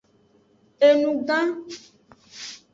Enu gan.